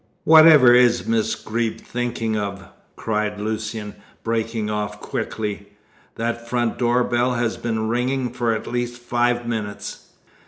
Whatever is Miss Greeb thinking of?" cried Lucian, breaking off quickly. "That front door bell has been ringing for at least five minutes!"